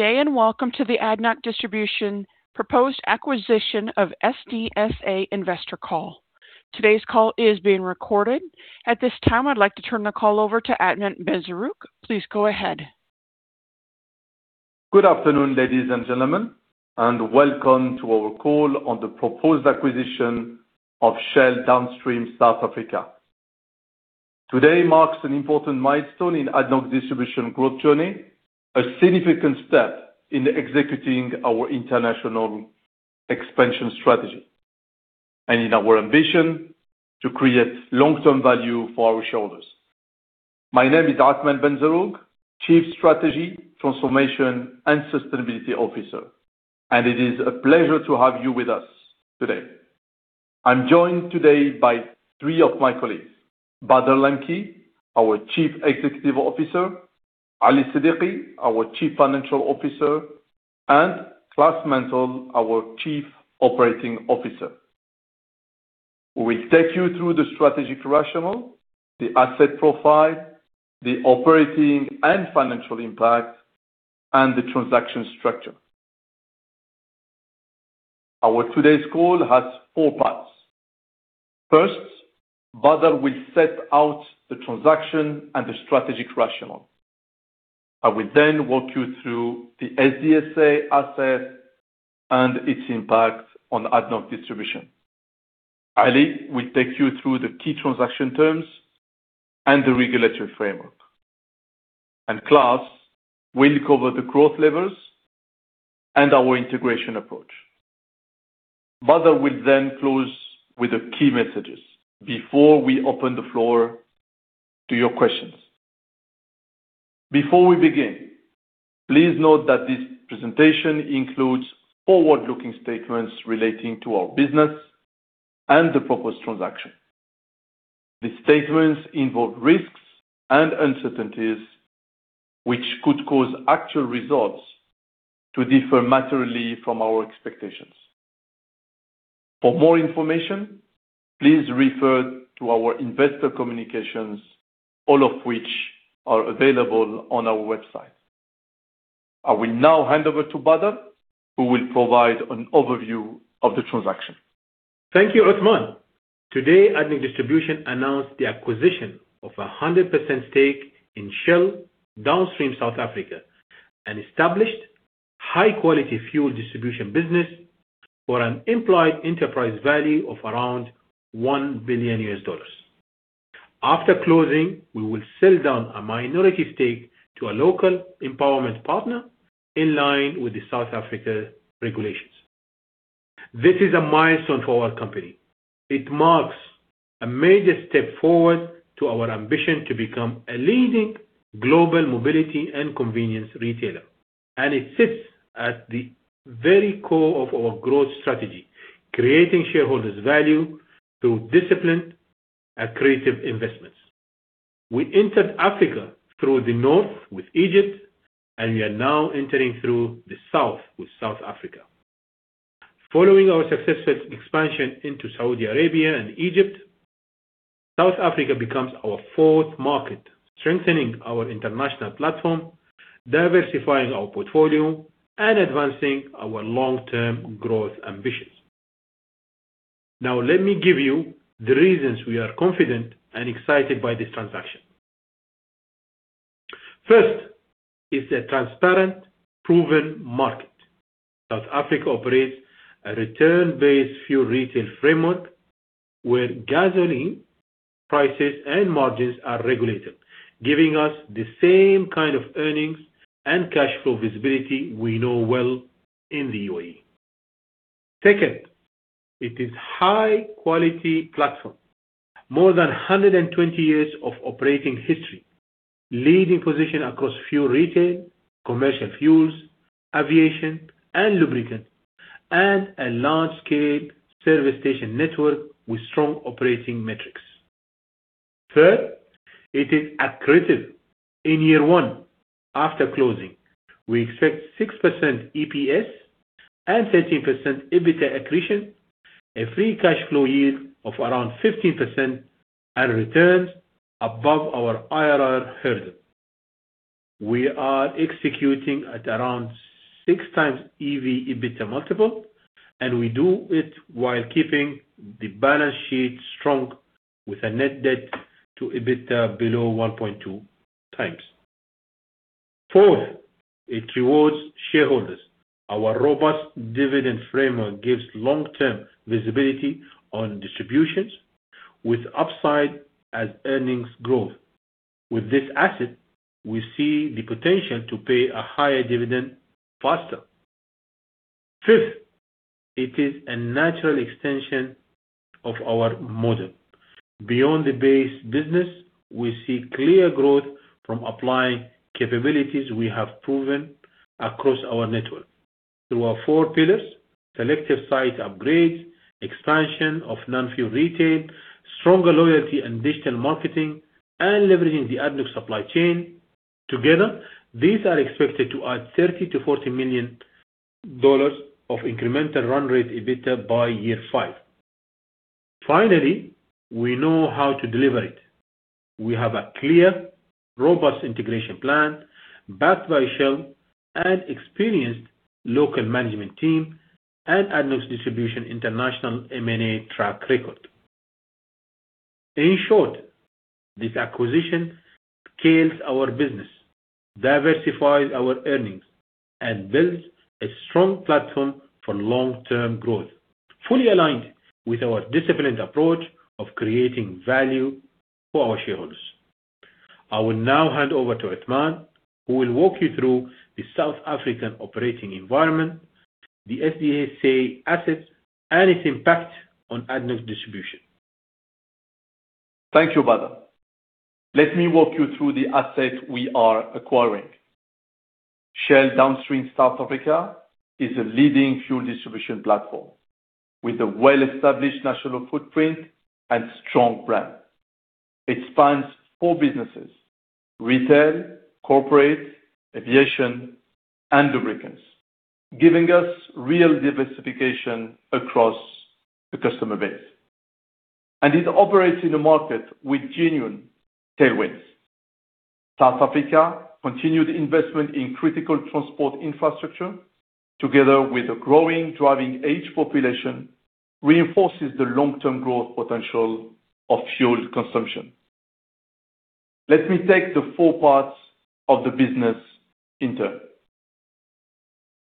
Good day and welcome to the ADNOC Distribution proposed acquisition of SDSA investor call. Today's call is being recorded. At this time, I'd like to turn the call over to Athmane Benzerroug. Please go ahead. Good afternoon, ladies and gentlemen. Welcome to our call on the proposed acquisition of Shell Downstream South Africa. Today marks an important milestone in ADNOC Distribution growth journey, a significant step in executing our international expansion strategy. In our ambition to create long-term value for our shareholders, my name is Athmane Benzerroug, Chief Strategy, Transformation and Sustainability Officer. It is a pleasure to have you with us today. I am joined today by three of my colleagues, Bader Al Lamki, our Chief Executive Officer, Ali Siddiqi, our Chief Financial Officer, Klaas Mantel, our Chief Operating Officer. We take you through the strategic rationale, the asset profile, the operating and financial impact, the transaction structure. Our today's call has four parts. First, Bader will set out the transaction and the strategic rationale. I will then walk you through the SDSA asset and its impact on ADNOC Distribution. Ali will take you through the key transaction terms and the regulatory framework. Klaas will cover the growth levels and our integration approach. Bader will then close with the key messages before we open the floor to your questions. Before we begin, please note that this presentation includes forward-looking statements relating to our business and the proposed transaction. These statements involve risks and uncertainties which could cause actual results to differ materially from our expectations. For more information, please refer to our investor communications, all of which are available on our website. I will now hand over to Bader, who will provide an overview of the transaction. Thank you, Athmane. Today, ADNOC Distribution announced the acquisition of 100% stake in Shell Downstream South Africa, an established high-quality fuel distribution business, for an implied enterprise value of around $1 billion. After closing, we will sell down a minority stake to a local empowerment partner in line with the South Africa regulations. This is a milestone for our company. It marks a major step forward to our ambition to become a leading global mobility and convenience retailer. It sits at the very core of our growth strategy, creating shareholders value through disciplined, accretive investments. We entered Africa through the north with Egypt. We are now entering through the south with South Africa. Following our successful expansion into Saudi Arabia and Egypt, South Africa becomes our fourth market, strengthening our international platform, diversifying our portfolio, advancing our long-term growth ambitions. Let me give you the reasons we are confident and excited by this transaction. First, it is a transparent, proven market. South Africa operates a return-based fuel retail framework where gasoline prices and margins are regulated, giving us the same kind of earnings and cash flow visibility we know well in the UAE. Second, it is high-quality platform. More than 120 years of operating history, leading position across fuel retail, commercial fuels, aviation and lubricants, and a large-scale service station network with strong operating metrics. Third, it is accretive. In year one, after closing, we expect 6% EPS and 13% EBITDA accretion, a free cash flow yield of around 15% and returns above our IRR hurdle. We are executing at around six times EV/EBITDA multiple, and we do it while keeping the balance sheet strong with a net debt to EBITDA below 1.2 times. Fourth, it rewards shareholders. Our robust dividend framework gives long-term visibility on distributions with upside as earnings growth. With this asset, we see the potential to pay a higher dividend faster. Fifth, it is a natural extension of our model. Beyond the base business, we see clear growth from applying capabilities we have proven across our network through our four pillars, selective site upgrades, expansion of non-fuel retail, stronger loyalty and digital marketing, and leveraging the ADNOC supply chain. Together, these are expected to add $30 million-$40 million of incremental run rate EBITDA by year five. Finally, we know how to deliver it. We have a clear, robust integration plan backed by Shell and experienced local management team and ADNOC Distribution International M&A track record. In short, this acquisition scales our business, diversifies our earnings, and builds a strong platform for long-term growth, fully aligned with our disciplined approach of creating value for our shareholders. I will now hand over to Athmane, who will walk you through the South African operating environment, the SDSA asset, and its impact on ADNOC Distribution. Thank you, Bader. Let me walk you through the asset we are acquiring. Shell Downstream South Africa is a leading fuel distribution platform with a well-established national footprint and strong brand. It spans four businesses: retail, corporate, aviation, and lubricants, giving us real diversification across the customer base, and it operates in a market with genuine tailwinds. South Africa continued investment in critical transport infrastructure, together with a growing driving age population, reinforces the long-term growth potential of fuel consumption. Let me take the four parts of the business in turn.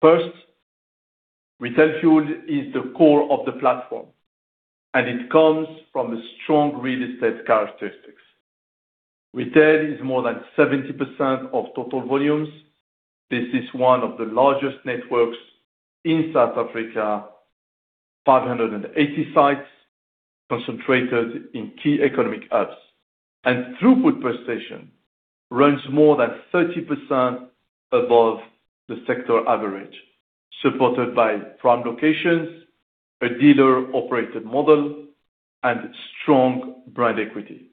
First, retail fuel is the core of the platform, and it comes from the strong real estate characteristics. Retail is more than 70% of total volumes. This is one of the largest networks in South Africa, 580 sites concentrated in key economic hubs. Throughput per station runs more than 30% above the sector average, supported by prime locations, a dealer-operated model, and strong brand equity.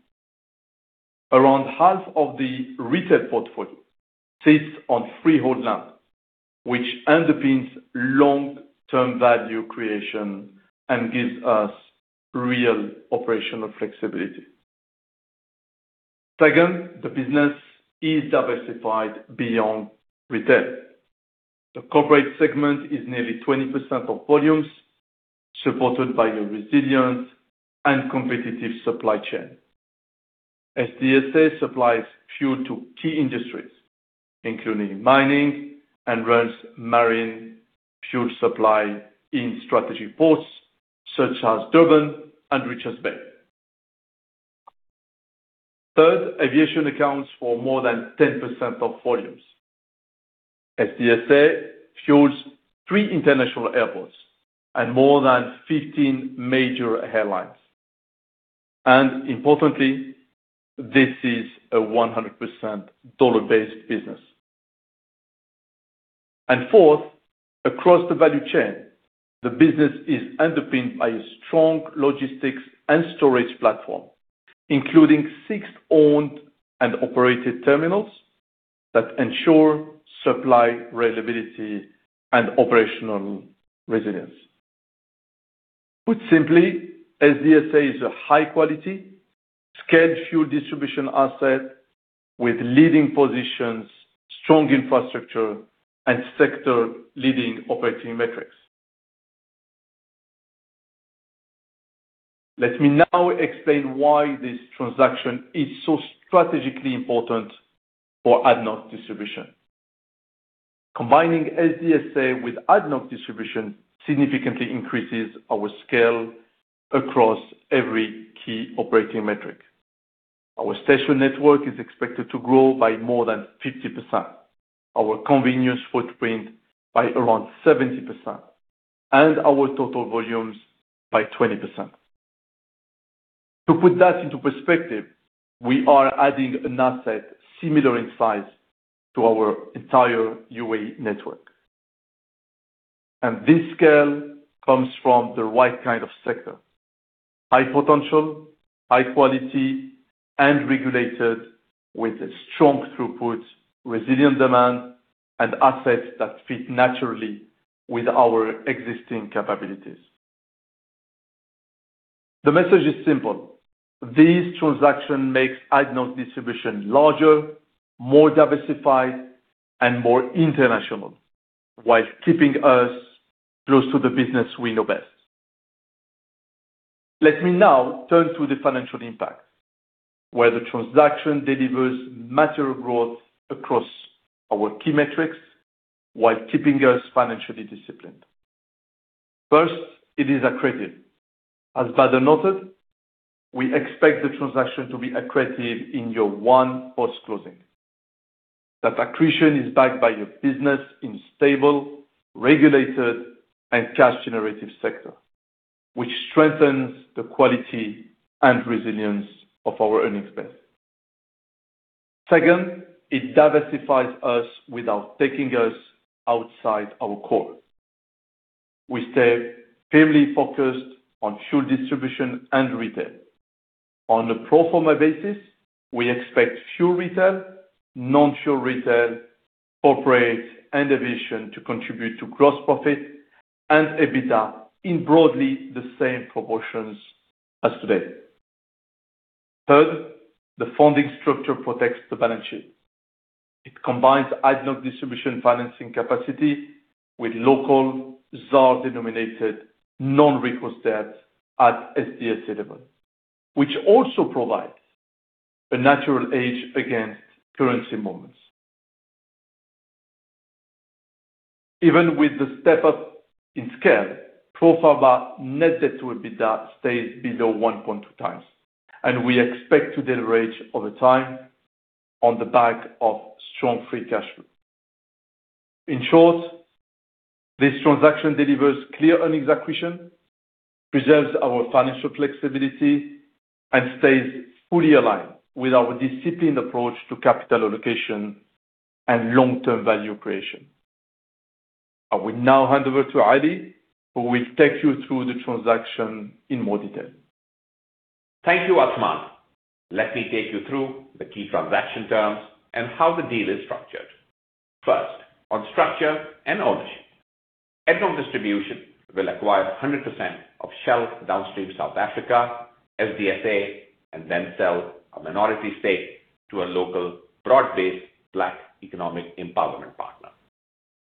Around half of the retail portfolio sits on freehold land, which underpins long-term value creation and gives us real operational flexibility. Second, the business is diversified beyond retail. The corporate segment is nearly 20% of volumes, supported by a resilient and competitive supply chain. SDSA supplies fuel to key industries, including mining, and runs marine fuel supply in strategic ports such as Durban and Richards Bay. Third, aviation accounts for more than 10% of volumes. SDSA fuels three international airports and more than 15 major airlines, and importantly, this is a 100% dollar-based business. Fourth, across the value chain, the business is underpinned by a strong logistics and storage platform, including six owned and operated terminals that ensure supply reliability and operational resilience. Put simply, SDSA is a high-quality, scale fuel distribution asset with leading positions, strong infrastructure, and sector-leading operating metrics. Let me now explain why this transaction is so strategically important for ADNOC Distribution. Combining SDSA with ADNOC Distribution significantly increases our scale across every key operating metric. Our station network is expected to grow by more than 50%, our convenience footprint by around 70%, and our total volumes by 20%. To put that into perspective, we are adding an asset similar in size to our entire UAE network. This scale comes from the right kind of sector, high potential, high quality, and regulated, with a strong throughput, resilient demand, and assets that fit naturally with our existing capabilities. The message is simple. This transaction makes ADNOC Distribution larger, more diversified, and more international, while keeping us close to the business we know best. Let me now turn to the financial impact, where the transaction delivers material growth across our key metrics while keeping us financially disciplined. First, it is accretive. As Bader noted, we expect the transaction to be accretive in year one post-closing. That accretion is backed by a business in stable, regulated, and cash-generative sector, which strengthens the quality and resilience of our earnings base. Second, it diversifies us without taking us outside our core. We stay firmly focused on fuel distribution and retail. On the pro forma basis, we expect fuel retail, non-fuel retail, corporate, and aviation to contribute to gross profit and EBITDA in broadly the same proportions as today. Third, the funding structure protects the balance sheet. It combines ADNOC Distribution financing capacity with local ZAR-denominated non-recourse debt at SDSA level, which also provides a natural edge against currency movements. Even with the step-up in scale, pro forma net debt to EBITDA stays below 1.2 times, and we expect to de-leverage over time on the back of strong free cash flow. In short, this transaction delivers clear earnings accretion, preserves our financial flexibility, and stays fully aligned with our disciplined approach to capital allocation and long-term value creation. I will now hand over to Ali, who will take you through the transaction in more detail. Thank you, Athmane. Let me take you through the key transaction terms and how the deal is structured. First, on structure and ownership. ADNOC Distribution will acquire 100% of Shell Downstream South Africa, SDSA, and then sell a minority stake to a local, Broad-Based Black Economic Empowerment partner.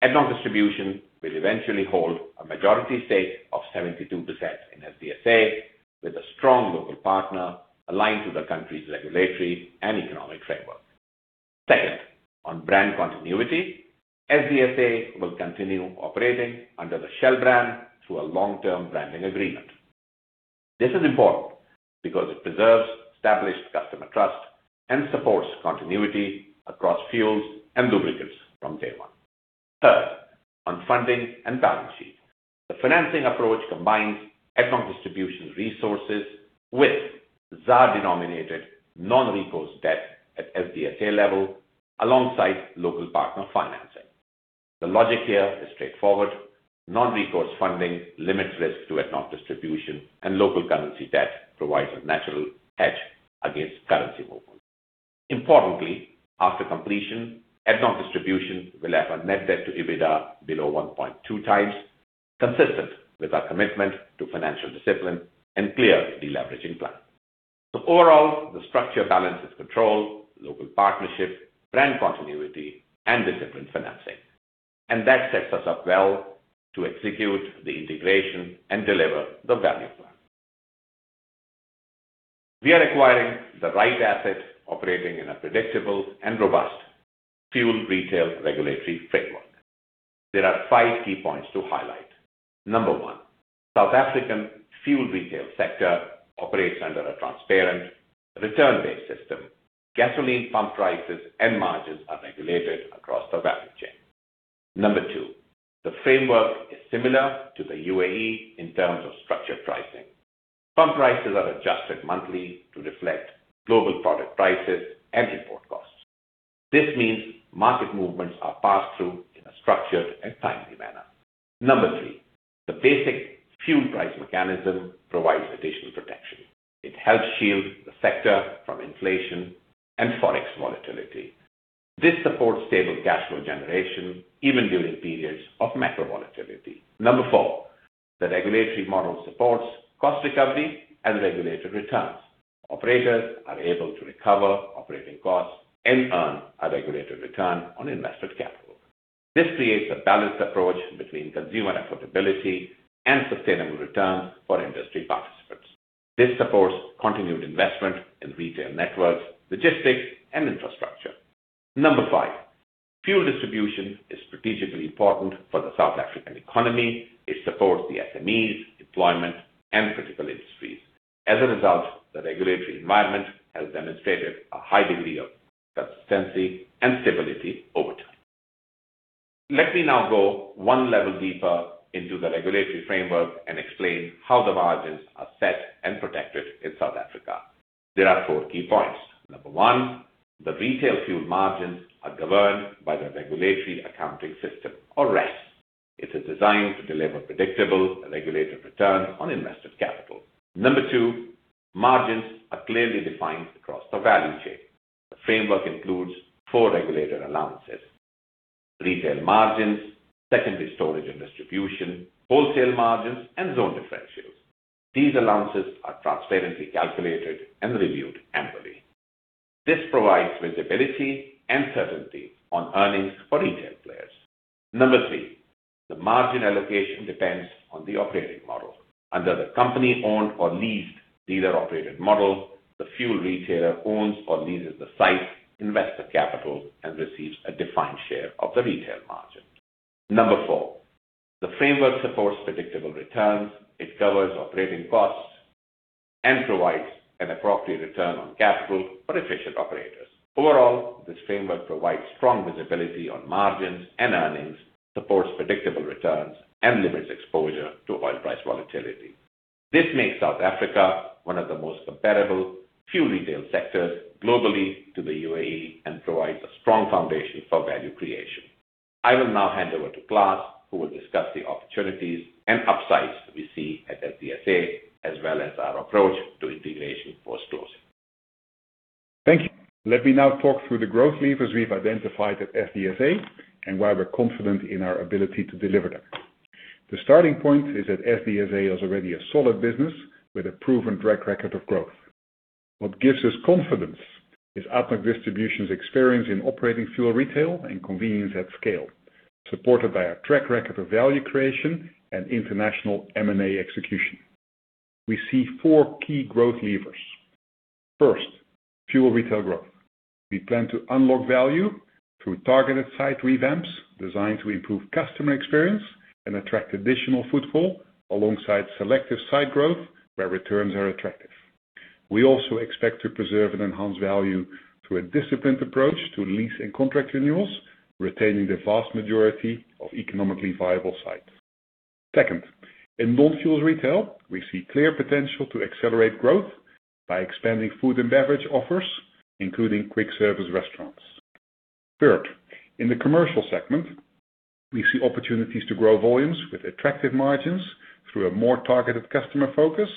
ADNOC Distribution will eventually hold a majority stake of 72% in SDSA with a strong local partner aligned to the country's regulatory and economic framework. Second, on brand continuity. SDSA will continue operating under the Shell brand through a long-term branding agreement. This is important because it preserves established customer trust and supports continuity across fuels and lubricants from day one. Third, on funding and balance sheet. The financing approach combines ADNOC Distribution resources with ZAR-denominated non-recourse debt at SDSA level alongside local partner financing. The logic here is straightforward. Non-recourse funding limits risk to ADNOC Distribution, and local currency debt provides a natural hedge against currency movement. Importantly, after completion, ADNOC Distribution will have a net debt to EBITDA below 1.2 times, consistent with our commitment to financial discipline and clear deleveraging plan. Overall, the structure balances control, local partnership, brand continuity, and disciplined financing, and that sets us up well to execute the integration and deliver the value plan. We are acquiring the right asset operating in a predictable and robust fuel retail regulatory framework. There are five key points to highlight. Number one, South African fuel retail sector operates under a transparent return-based system. Gasoline pump prices and margins are regulated across the value chain. Number two, the framework is similar to the UAE in terms of structured pricing. Pump prices are adjusted monthly to reflect global product prices and import costs. This means market movements are passed through in a structured and timely manner. Number three, the basic fuel price mechanism provides additional protection. It helps shield the sector from inflation and Forex volatility. This supports stable cash flow generation even during periods of macro volatility. Number four, the regulatory model supports cost recovery and regulated returns. Operators are able to recover operating costs and earn a regulated return on invested capital. This creates a balanced approach between consumer affordability and sustainable returns for industry participants. This supports continued investment in retail networks, logistics, and infrastructure. Number five, fuel distribution is strategically important for the South African economy. It supports the SMEs, employment, and critical industries. As a result, the regulatory environment has demonstrated a high degree of consistency and stability over time. Let me now go one level deeper into the regulatory framework and explain how the margins are set and protected in South Africa. There are four key points. Number one, the retail fuel margins are governed by the Regulatory Accounting System, or RAS. It is designed to deliver predictable and regulated return on invested capital. Number two, margins are clearly defined across the value chain. The framework includes four regulator allowances, retail margins, secondary storage and distribution, wholesale margins, and zone differentials. These allowances are transparently calculated and reviewed annually. This provides visibility and certainty on earnings for retail players. Number three, the margin allocation depends on the operating model. Under the company-owned or leased dealer operated model, the fuel retailer owns or leases the site, invests the capital, and receives a defined share of the retail margin. Number four, the framework supports predictable returns. It covers operating costs and provides an appropriate return on capital for efficient operators. Overall, this framework provides strong visibility on margins and earnings, supports predictable returns, and limits exposure to oil price volatility. This makes South Africa one of the most comparable fuel retail sectors globally to the UAE and provides a strong foundation for value creation. I will now hand over to Klaas, who will discuss the opportunities and upsides we see at SDSA, as well as our approach to integration force closing. Thank you. Let me now talk through the growth levers we've identified at SDSA and why we're confident in our ability to deliver them. The starting point is that SDSA is already a solid business with a proven track record of growth. What gives us confidence is ADNOC Distribution's experience in operating fuel retail and convenience at scale, supported by a track record of value creation and international M&A execution. We see four key growth levers. First, fuel retail growth. We plan to unlock value through targeted site revamps designed to improve customer experience and attract additional footfall alongside selective site growth where returns are attractive. We also expect to preserve and enhance value through a disciplined approach to lease and contract renewals, retaining the vast majority of economically viable sites. Second, in non-fuels retail, we see clear potential to accelerate growth by expanding food and beverage offers, including quick-service restaurants. Third, in the commercial segment, we see opportunities to grow volumes with attractive margins through a more targeted customer focus,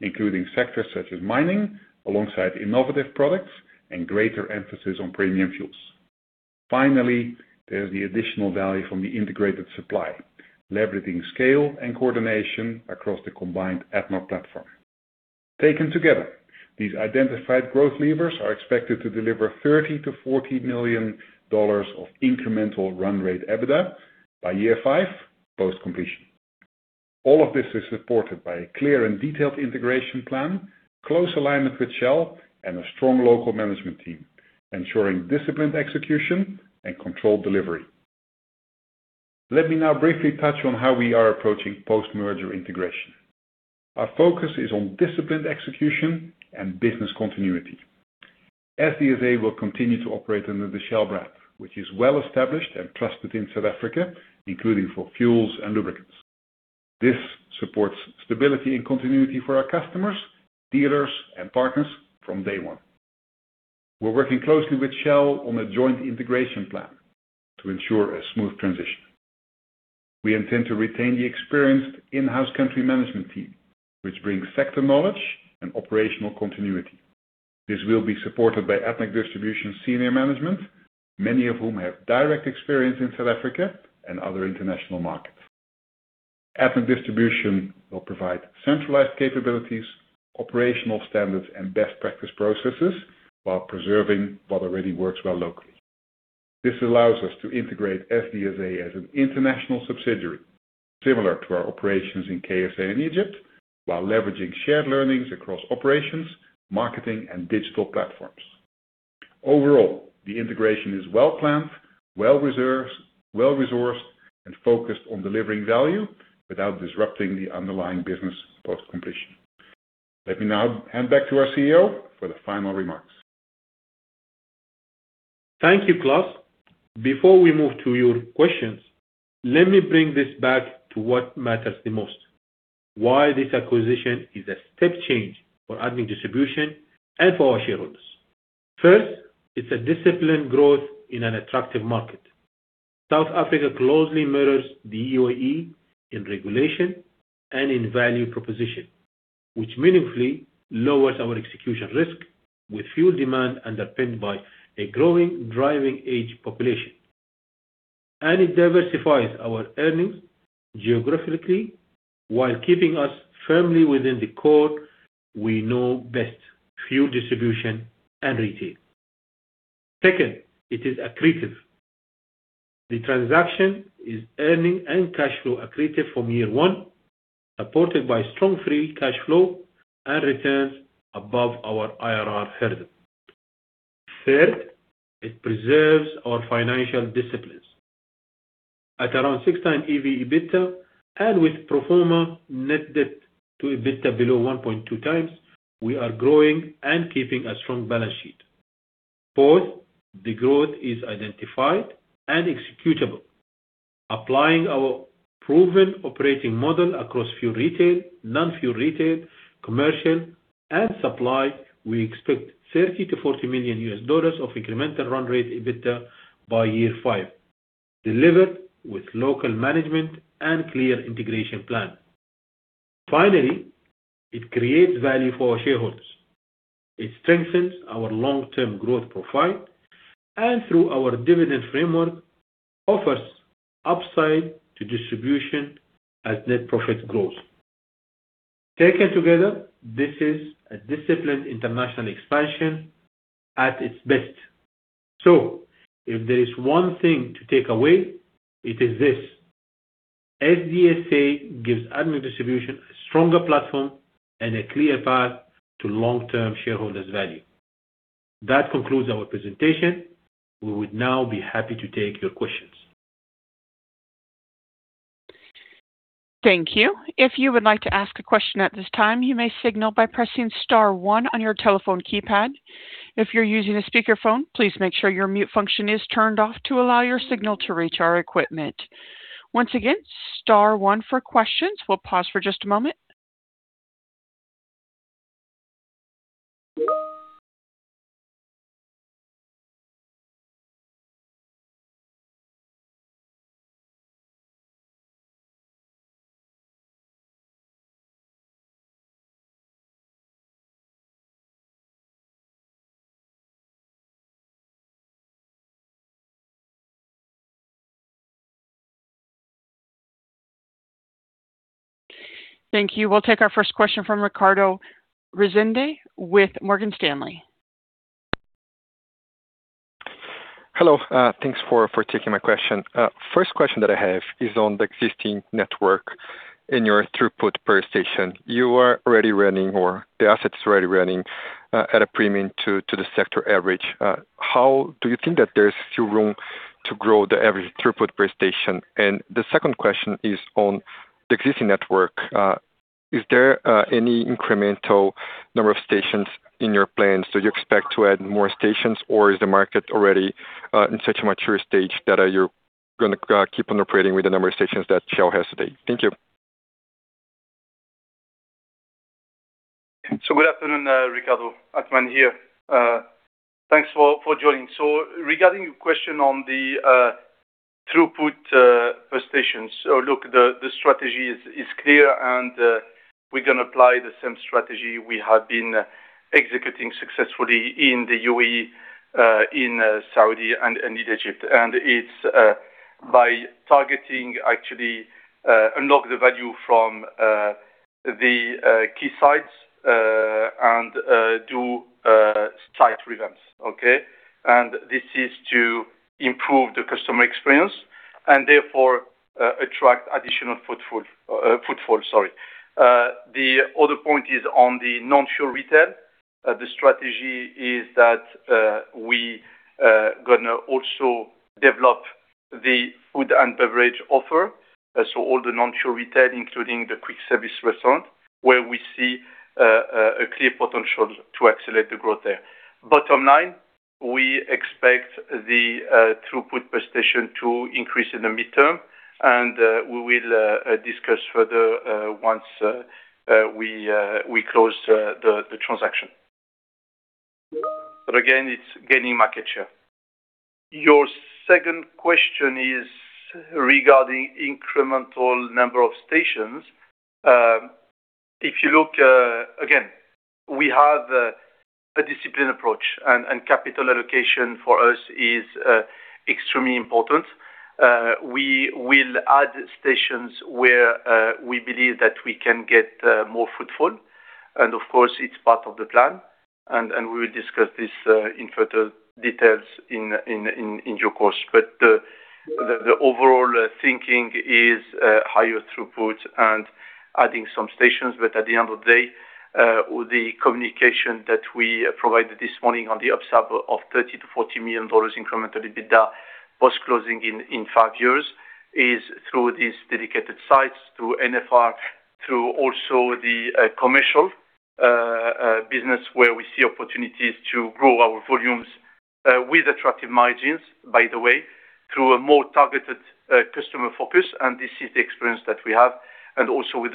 including sectors such as mining alongside innovative products and greater emphasis on premium fuels. Finally, there's the additional value from the integrated supply, leveraging scale and coordination across the combined ADNOC platform. Taken together, these identified growth levers are expected to deliver $30 million-$40 million of incremental run rate EBITDA by year five post-completion. All of this is supported by a clear and detailed integration plan, close alignment with Shell, and a strong local management team, ensuring disciplined execution and controlled delivery. Let me now briefly touch on how we are approaching post-merger integration. Our focus is on disciplined execution and business continuity. SDSA will continue to operate under the Shell brand, which is well-established and trusted in South Africa, including for fuels and lubricants. This supports stability and continuity for our customers, dealers, and partners from day one. We are working closely with Shell on a joint integration plan to ensure a smooth transition. We intend to retain the experienced in-house country management team, which brings sector knowledge and operational continuity. This will be supported by ADNOC Distribution senior management, many of whom have direct experience in South Africa and other international markets. ADNOC Distribution will provide centralized capabilities, operational standards, and best practice processes while preserving what already works well locally. This allows us to integrate SDSA as an international subsidiary, similar to our operations in KSA and Egypt, while leveraging shared learnings across operations, marketing, and digital platforms. The integration is well-planned, well-resourced, and focused on delivering value without disrupting the underlying business post-completion. Let me now hand back to our CEO for the final remarks. Thank you, Klaas. Before we move to your questions, let me bring this back to what matters the most, why this acquisition is a step change for ADNOC Distribution and for our shareholders. First, it is a disciplined growth in an attractive market. South Africa closely mirrors the UAE in regulation and in value proposition, which meaningfully lowers our execution risk with fuel demand underpinned by a growing driving age population. It diversifies our earnings geographically while keeping us firmly within the core we know best, fuel distribution and retail. Second, it is accretive. The transaction is earning and cash flow accretive from year one, supported by strong free cash flow and returns above our IRR hurdle. Third, it preserves our financial disciplines. At around six times EV/EBITDA and with pro forma net debt to EBITDA below 1.2 times, we are growing and keeping a strong balance sheet. Fourth the growth is identified and executable. Applying our proven operating model across fuel retail, non-fuel retail, commercial, and supply, we expect $30 million-$40 million of incremental run rate EBITDA by year five, delivered with local management and clear integration plan. Finally, it creates value for shareholders. It strengthens our long-term growth profile and, through our dividend framework, offers upside to distribution as net profit grows. Taken together, this is a disciplined international expansion at its best. If there is one thing to take away, it is this: SDSA gives ADNOC Distribution a stronger platform and a clear path to long-term shareholders value. That concludes our presentation. We would now be happy to take your questions. Thank you. If you would like to ask a question at this time, you may signal by pressing star one on your telephone keypad. If you are using a speakerphone, please make sure your mute function is turned off to allow your signal to reach our equipment. Once again, star one for questions. We will pause for just a moment. Thank you. We will take our first question from Ricardo Rezende with Morgan Stanley. Hello, thanks for taking my question. First question that I have is on the existing network and your throughput per station. You are already running, or the asset is already running, at a premium to the sector average. How do you think that there is still room to grow the average throughput per station? The second question is on the existing network. Is there any incremental number of stations in your plans? Do you expect to add more stations, or is the market already in such a mature stage that you are going to keep on operating with the number of stations that Shell has today? Thank you. Good afternoon, Ricardo. Athmane here. Thanks for joining. Regarding your question on the throughput per stations. Look, the strategy is clear, and we are going to apply the same strategy we have been executing successfully in the UAE, in Saudi, and in Egypt. It is by targeting, actually, unlock the value from the key sites and do site revamps, okay? This is to improve the customer experience and therefore attract additional footfall. The other point is on the non-fuel retail. The strategy is that we are going to also develop the food and beverage offer. All the non-fuel retail, including the quick service restaurant, where we see a clear potential to accelerate the growth there. Bottom line, we expect the throughput per station to increase in the midterm. We will discuss further once we close the transaction. Again, it is gaining market share. Your second question is regarding incremental number of stations. If you look, again, we have a disciplined approach, capital allocation for us is extremely important. We will add stations where we believe that we can get more footfall. Of course, it is part of the plan. We will discuss this in further details in due course. The overall thinking is higher throughput and adding some stations. At the end of the day, the communication that we provided this morning on the upsell of $30 million-$40 million incremental EBITDA post-closing in five years is through these dedicated sites, through NFR, through also the commercial business, where we see opportunities to grow our volumes with attractive margins, by the way, through a more targeted customer focus. This is the experience that we have and also with,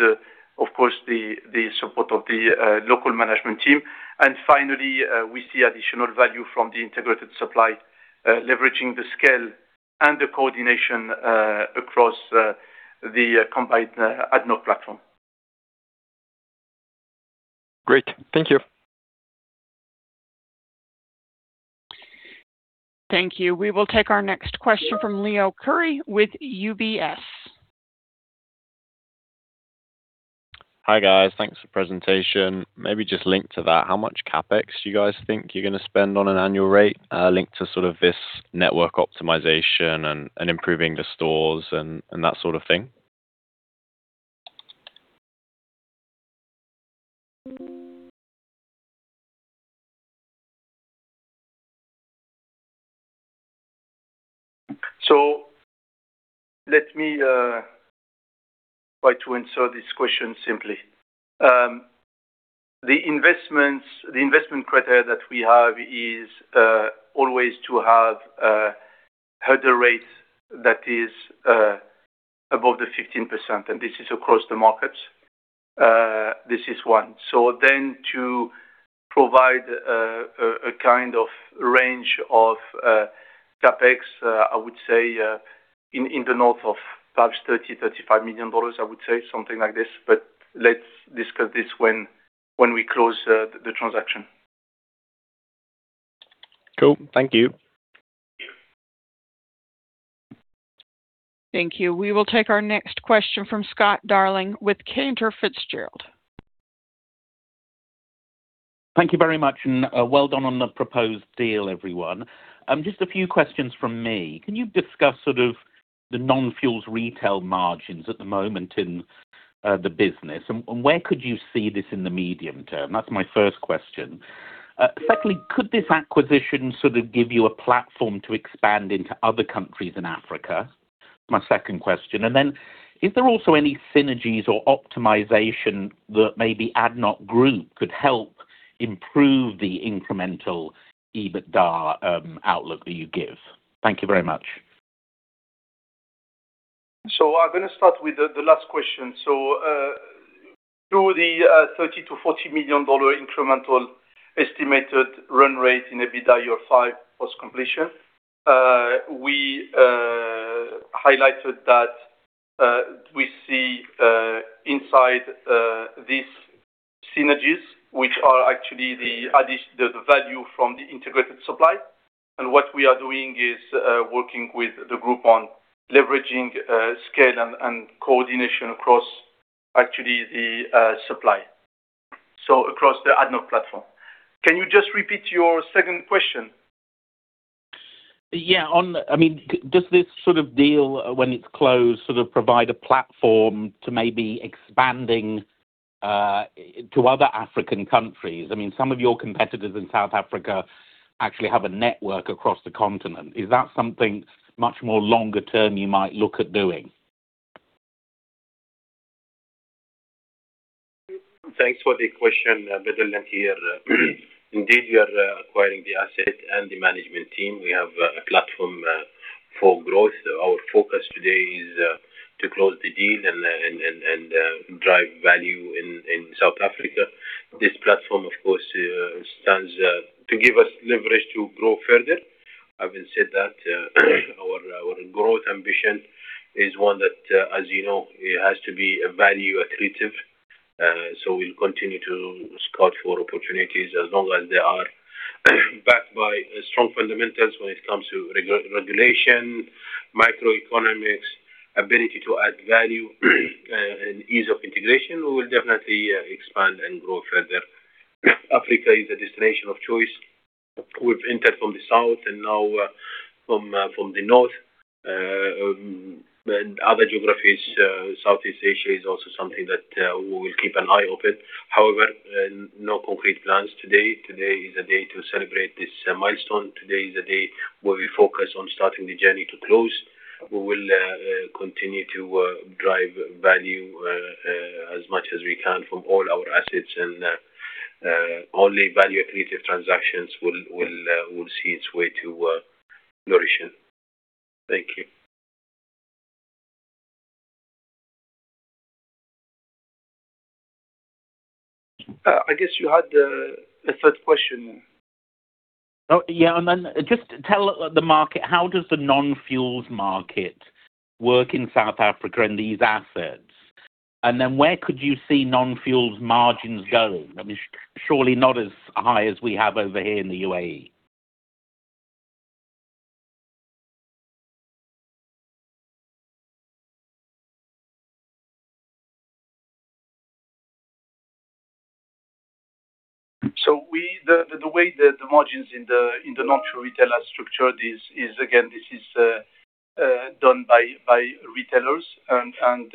of course, the support of the local management team. Finally, we see additional value from the integrated supply, leveraging the scale and the coordination across the combined ADNOC platform. Great. Thank you. Thank you. We will take our next question from Leo Currie with UBS. Hi, guys. Thanks for the presentation. Maybe just linked to that, how much CapEx do you guys think you're going to spend on an annual rate linked to this network optimization and improving the stores and that sort of thing? Let me try to answer this question simply. The investment criteria that we have is always to have hurdle rate that is above the 15%, and this is across the markets. This is one. To provide a kind of range of CapEx, I would say in the north of perhaps $30 million-$35 million, I would say something like this. Let's discuss this when we close the transaction. Cool. Thank you. Thank you. We will take our next question from Scott Darling with Cantor Fitzgerald. Thank you very much, and well done on the proposed deal, everyone. Just a few questions from me. Can you discuss the non-fuels retail margins at the moment in the business, and where could you see this in the medium term? That's my first question. Secondly, could this acquisition give you a platform to expand into other countries in Africa? My second question. Is there also any synergies or optimization that maybe ADNOC Group could help improve the incremental EBITDA outlook that you give? Thank you very much. I'm going to start with the last question. Through $30 million-$40 million incremental estimated run rate in EBITDA year five post-completion, we highlighted that we see inside these synergies, which are actually the value from the integrated supply. What we are doing is working with the group on leveraging scale and coordination across actually the supply, across the ADNOC platform. Can you just repeat your second question? Yeah. Does this sort of deal when it's closed, sort of provide a platform to maybe expanding to other African countries? Some of your competitors in South Africa actually have a network across the continent. Is that something much more longer term you might look at doing? Thanks for the question, Bader here. Indeed, we are acquiring the asset and the management team. We have a platform for growth. Our focus today is to close the deal and drive value in South Africa. This platform, of course, stands to give us leverage to grow further. Having said that, our growth ambition is one that, as you know, has to be value accretive. We'll continue to scout for opportunities as long as they are backed by strong fundamentals when it comes to regulation, microeconomics, ability to add value, and ease of integration, we will definitely expand and grow further. Africa is a destination of choice. We've entered from the south and now from the north. Other geographies, Southeast Asia is also something that we will keep an eye open. However, no concrete plans today. Today is a day to celebrate this milestone. Today is a day where we focus on starting the journey to close. We will continue to drive value as much as we can from all our assets, only value-accretive transactions will see its way to fruition. Thank you. I guess you had a third question. Oh, yeah. Just tell the market, how does the non-fuels market work in South Africa in these assets? Where could you see non-fuels margins going? Surely not as high as we have over here in the UAE. The way the margins in the non-fuel retailer structure, again, this is done by retailers, and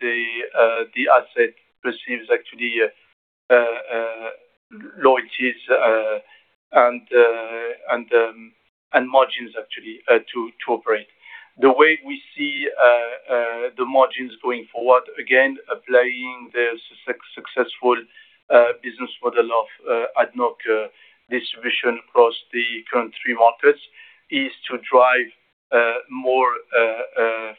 the asset receives actually royalties and margins actually to operate. The way we see the margins going forward, again, applying the successful business model of ADNOC Distribution across the current three markets, is to drive more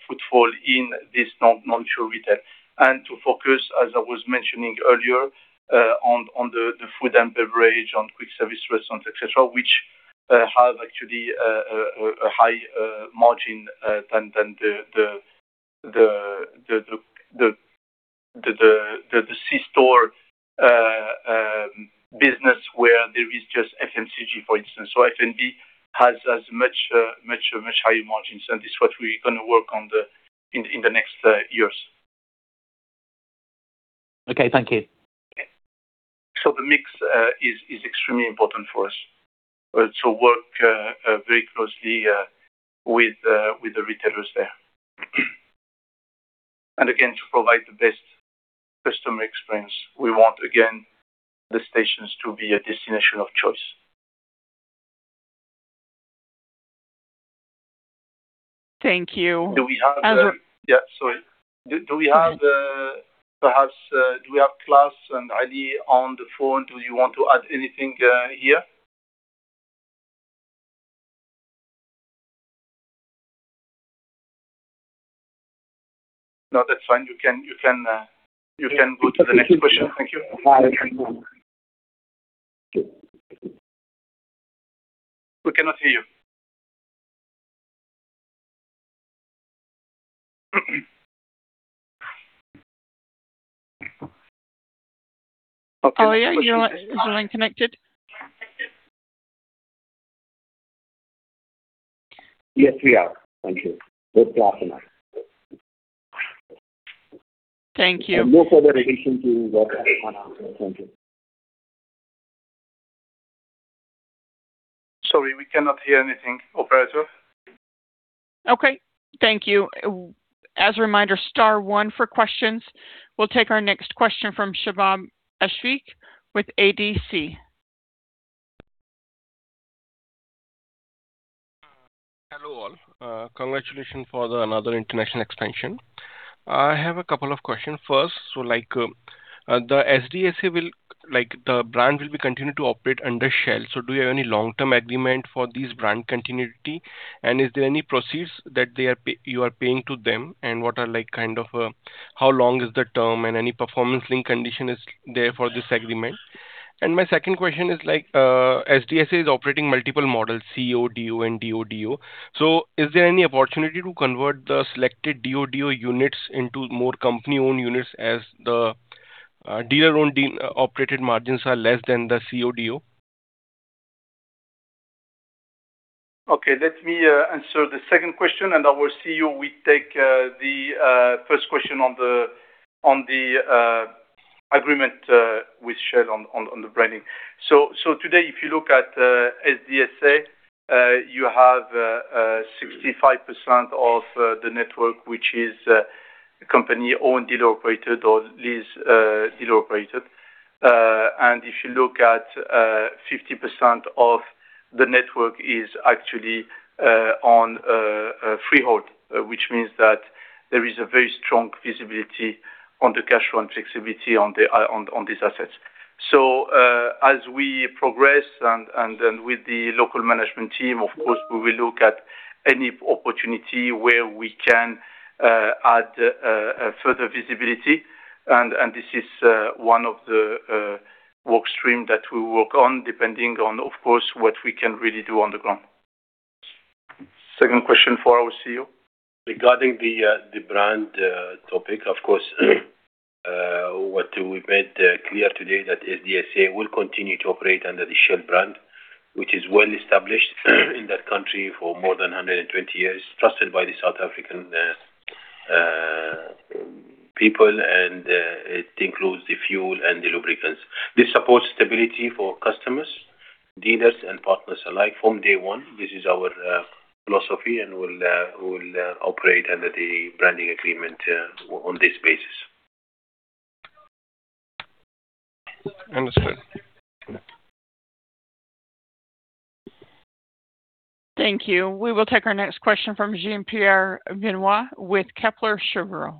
footfall in this non-fuel retail. To focus, as I was mentioning earlier, on the food and beverage, on quick service restaurants, et cetera, which have actually a high margin than the C-store business where there is just FMCG, for instance. F&B has much higher margins, and this is what we're going to work on in the next years. Okay. Thank you. The mix is extremely important for us to work very closely with the retailers there. Again, to provide the best customer experience. We want, again, the stations to be a destination of choice. Thank you. Sorry. Perhaps, do we have Klaas and Ali on the phone? Do you want to add anything here? No, that's fine. You can go to the next question. Thank you. Klaas can go. We cannot hear you. Oh, yeah. You're not connected. Yes, we are. Thank you. With Klaas and I. Thank you. No further addition to what Ali wants to say. Thank you. Sorry, we cannot hear anything. Operator? Okay. Thank you. As a reminder, star one for questions. We'll take our next question from [Shubham Ashish] with ADC. Hello all. Congratulations for another international expansion. I have a couple of questions. First, the SDSA brand will continue to operate under Shell. Do you have any long-term agreement for this brand continuity, and are there any proceeds that you are paying to them? How long is the term, and are there any performance-linked conditions for this agreement? My second question is, SDSA is operating multiple models, CODO and DODO. Is there any opportunity to convert the selected DODO units into more company-owned units as the dealer-owned operator margins are less than the CODO? Let me answer the second question, and our CEO will take the first question on the agreement with Shell on the branding. Today, if you look at SDSA, you have 65% of the network, which is a company-owned dealer operated or lease dealer operated. If you look at 50% of the network is actually on freehold, which means that there is a very strong visibility on the cash flow and flexibility on these assets. As we progress with the local management team, of course, we will look at any opportunity where we can add further visibility, and this is one of the workstream that we work on, depending on, of course, what we can really do on the ground. Second question for our CEO. Regarding the brand topic, of course, what we have made clear today is that SDSA will continue to operate under the Shell brand, which is well established in that country for more than 120 years, trusted by the South African people, and it includes the fuel and the lubricants. This supports stability for customers, dealers, and partners alike from day one. This is our philosophy, and we will operate under the branding agreement on this basis. Understood. Thank you. We will take our next question from Jean-Pierre Benoit with Kepler Cheuvreux.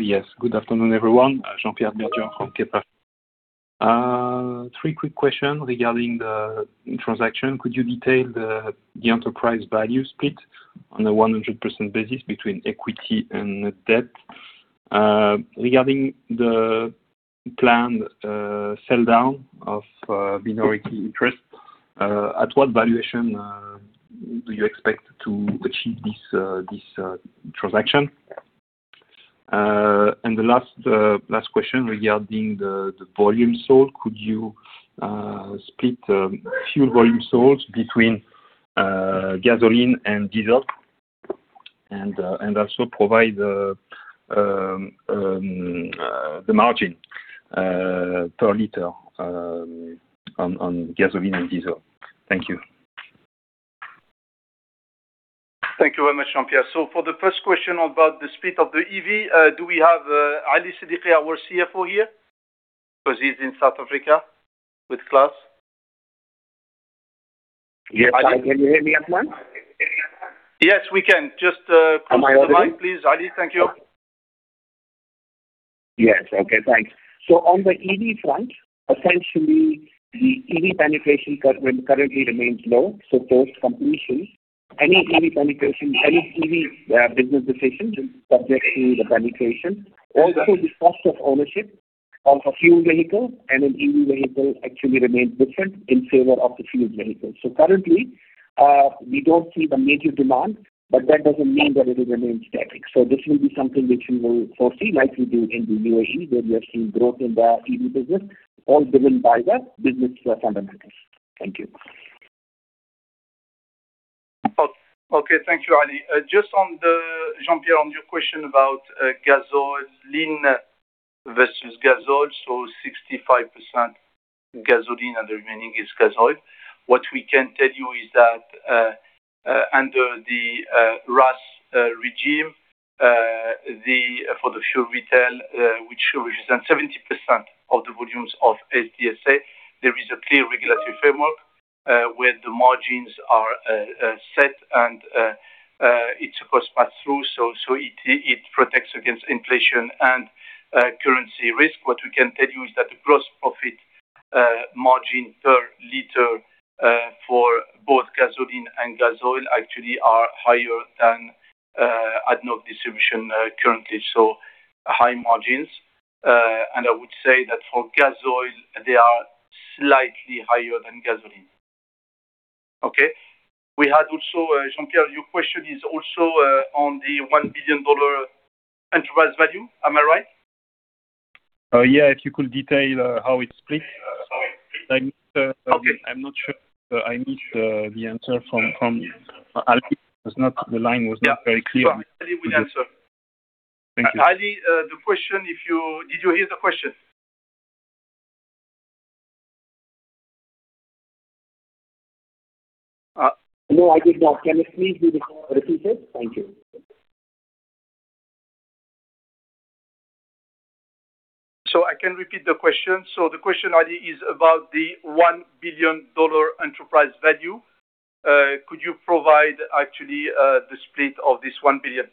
Yes. Good afternoon, everyone. Jean-Pierre Benoit from Kepler. Three quick questions regarding the transaction. Could you detail the enterprise value split on a 100% basis between equity and debt? Regarding the planned sell-down of minority interest, at what valuation do you expect to achieve this transaction? The last question regarding the volume sold. Could you split the fuel volume sold between gasoline and diesel, and also provide the margin per liter on gasoline and diesel? Thank you. Thank you very much, Jean-Pierre. For the first question about the split of the EV, do we have Ali Siddiqi, our CFO here? Because he is in South Africa with Klaas. Yes. Can you hear me, Athmane? Yes, we can. Am I audible? please, Ali. Thank you. Yes. Okay. Thanks. On the EV front, essentially, the EV penetration currently remains low. Post-completion, any EV penetration, any EV business decisions is subject to the penetration. Also, the cost of ownership of a fuel vehicle and an EV vehicle actually remains different in favor of the fuel vehicle. Currently, we don't see the major demand, but that doesn't mean that it will remain static. This will be something which we will foresee, like we do in the UAE, where we are seeing growth in the EV business, all driven by the business fundamentals. Thank you. Okay. Thank you, Ali. Jean-Pierre, on your question about gasoil versus gasoline, 65% gasoline and the remaining is gasoil. What we can tell you is that under the RAS regime, for the fuel retail, which represents 70% of the volumes of SDSA, there is a clear regulatory framework where the margins are set and it, of course, passes through, it protects against inflation and currency risk. What we can tell you is that the gross profit margin per liter for both gasoline and gasoil actually are higher than ADNOC Distribution currently. High margins. I would say that for gasoil, they are slightly higher than gasoline. Okay. Jean-Pierre, your question is also on the $1 billion enterprise value. Am I right? If you could detail how it's split. Okay. I'm not sure I missed the answer from Ali. The line was not very clear. Ali will answer. Thank you. Ali, did you hear the question? No, I did not. Can it please be repeated? Thank you. I can repeat the question. The question, Ali, is about the $1 billion enterprise value. Could you provide actually the split of this $1 billion?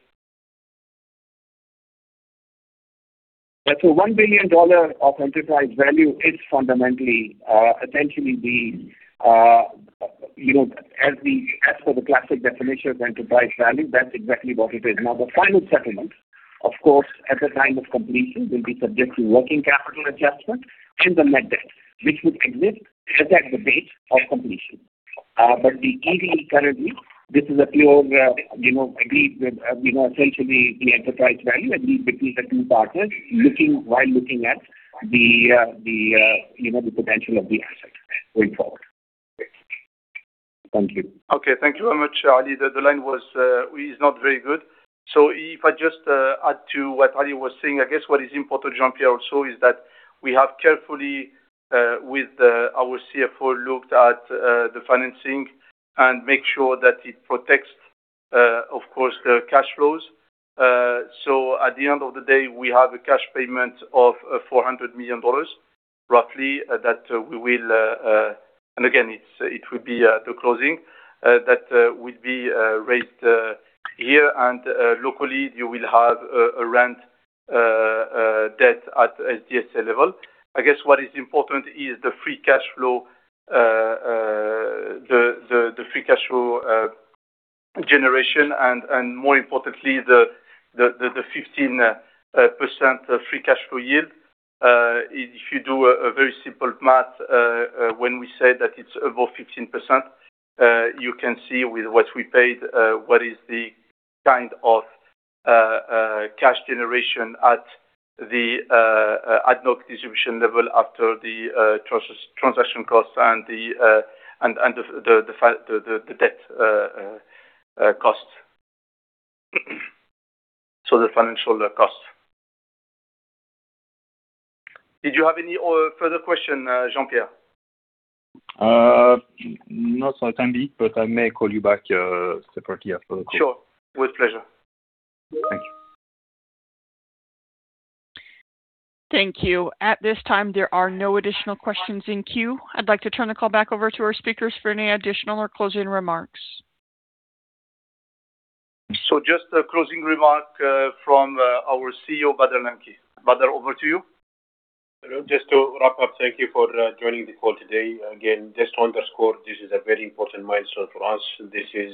$1 billion of enterprise value is fundamentally, potentially, as for the classic definition of enterprise value, that's exactly what it is. Now, the final settlement, of course, at the time of completion, will be subject to working capital adjustment and the net debt, which would exist as at the date of completion. The key is currently, this is a pure, agreed essentially the enterprise value, agreed between the two parties while looking at the potential of the asset going forward. Great. Thank you. Thank you very much, Ali. The line is not very good. If I just add to what Ali was saying, I guess what is important, Jean-Pierre, also is that we have carefully, with our CFO, looked at the financing and make sure that it protects, of course, the cash flows. At the end of the day, we have a cash payment of $400 million, roughly, that will be at the closing, that will be raised here and locally, you will have a rand debt at SDSA level. I guess what is important is the free cash flow generation and, more importantly, the 15% free cash flow yield. If you do a very simple math, when we say that it's above 15%, you can see with what we paid, what is the kind of cash generation at the ADNOC Distribution level after the transaction costs and the debt cost. The financial cost. Did you have any further question, Jean-Pierre? Not for the time being, but I may call you back separately after the call. Sure. With pleasure. Thank you. Thank you. At this time, there are no additional questions in queue. I'd like to turn the call back over to our speakers for any additional or closing remarks. Just a closing remark from our CEO, Bader Al Lamki. Bader, over to you. Hello. Just to wrap up, thank you for joining the call today. Again, just to underscore, this is a very important milestone for us. This is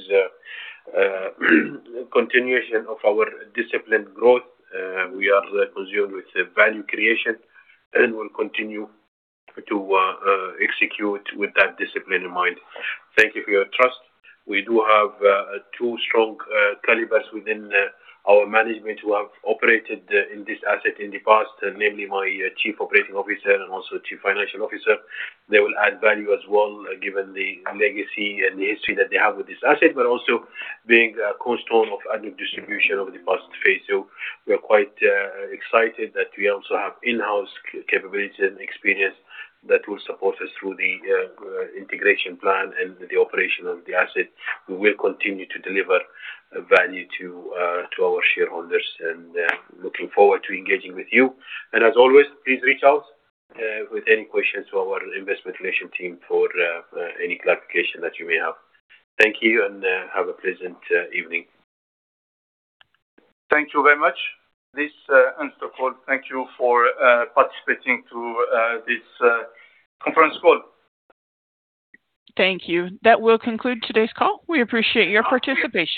continuation of our disciplined growth. We are consumed with value creation, and we'll continue to execute with that discipline in mind. Thank you for your trust. We do have two strong calibers within our management who have operated in this asset in the past, namely my Chief Operating Officer and also Chief Financial Officer. They will add value as well, given the legacy and the history that they have with this asset, but also being a cornerstone of ADNOC Distribution over the past phase. We are quite excited that we also have in-house capability and experience that will support us through the integration plan and the operation of the asset. We will continue to deliver value to our shareholders, looking forward to engaging with you. As always, please reach out with any questions to our investor relations team for any clarification that you may have. Thank you, and have a pleasant evening. Thank you very much. This ends the call. Thank you for participating to this conference call. Thank you. That will conclude today's call. We appreciate your participation.